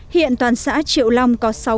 hiện toàn xã triệu long có sáu cửa